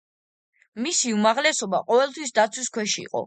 მისი უმაღლესობა ყოველთვის დაცვის ქვეშ იყო.